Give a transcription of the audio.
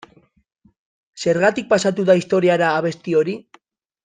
Zergatik pasatu da historiara abesti hori?